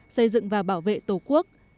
xây dựng và bảo vệ tổ quốc